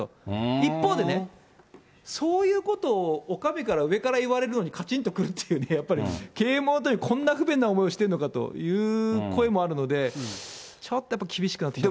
一方でね、そういうことをお上から言われるのに、かちんとくるっていうね、やっぱり啓もうのために不便な思いをしてるのかという声もあるので、ちょっとやっぱり厳しくなってきたな。